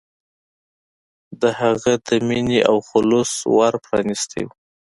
د هغه د مینې او خلوص ور پرانستی و.